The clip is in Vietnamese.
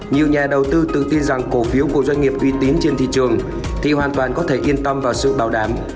nhiều nhà đầu tư tự tin rằng cổ phiếu của doanh nghiệp uy tín trên thị trường thì hoàn toàn có thể yên tâm vào sự bảo đảm